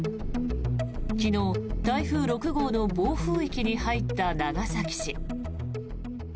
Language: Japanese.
昨日、台風６号の暴風域に入った長崎市。